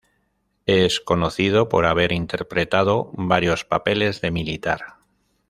Es conocido por haber interpretado varios papeles de militar.